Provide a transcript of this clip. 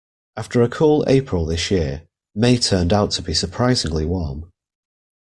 After a cool April this year, May turned out to be surprisingly warm